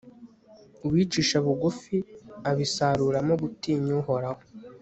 uwicisha bugufi abisaruramo gutinya uhoraho